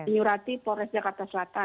menyurati polres jakarta selatan